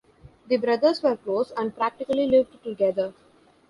The brothers were close, and practically lived together.